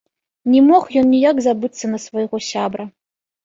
Не мог ён ніяк забыцца на свайго сябра.